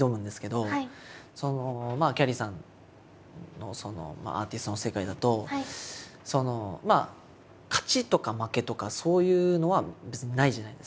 どきゃりーさんのアーティストの世界だと勝ちとか負けとかそういうのは別にないじゃないですか。